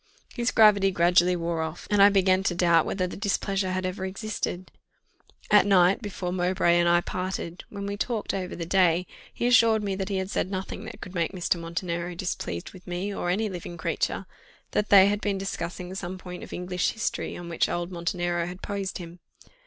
His gravity gradually wore off, and I began to doubt whether the displeasure had ever existed. At night, before Mowbray and I parted, when we talked over the day, he assured me that he had said nothing that could make Mr. Montenero displeased with me or any living creature; that they had been discussing some point of English History, on which old Montenero had posed him.